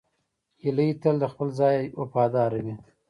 هیلۍ تل د خپل ځای وفاداره وي